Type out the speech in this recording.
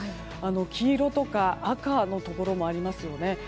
黄色とか、赤のところもありますよね。